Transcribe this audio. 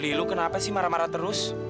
li lu kenapa sih marah marah terus